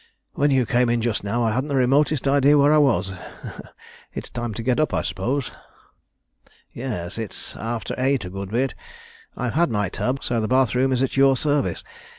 When you came in just now I hadn't the remotest idea where I was. It's time to get up, I suppose?" "Yes, it's after eight a good bit. I've had my tub, so the bath room is at your service.